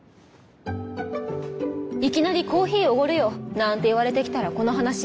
いきなり「コーヒーおごるよ」なんて言われて来たらこの話。